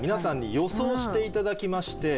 していただきまして